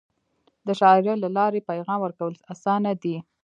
د شاعری له لارې پیغام ورکول اسانه دی.